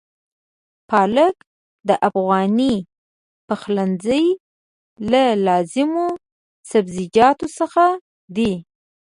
پالک د افغاني پخلنځي له لازمو سبزيجاتو څخه دی.